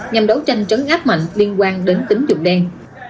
nhằm đấu tranh trấn áp mạnh liên quan đến tính dụng đen